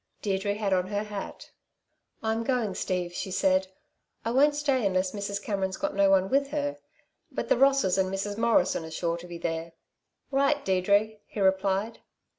Deirdre had on her hat. "I'm going, Steve," she said. "I won't stay unless Mrs. Cameron's got no one with her; but the Rosses and Mrs. Morrison are sure to be there." "Right, Deirdre!" he replied.